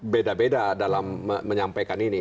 beda beda dalam menyampaikan ini